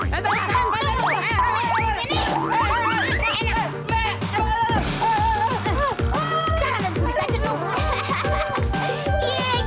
jalan jalan jalan